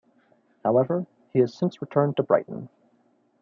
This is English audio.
However, he has since returned to Brighton.